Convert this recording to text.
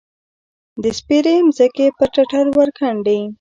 د سپیرې مځکې، پر ټټر ورګنډې